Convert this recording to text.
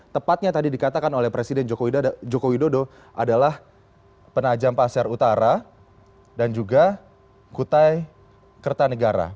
tepatnya tadi dikatakan oleh presiden joko widodo adalah penajam pasir utara dan juga kutai kertanegara